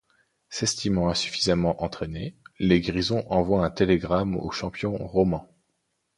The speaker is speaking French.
S'estimant insuffisamment entraînés, les Grisons envoient un télégramme au champion romand.